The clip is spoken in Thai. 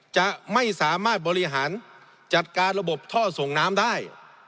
จะไม่สามารถบริหารจัดการระบบท่อส่งน้ำได้